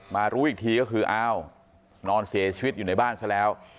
รู้อีกทีก็คืออ้าวนอนเสียชีวิตอยู่ในบ้านซะแล้ว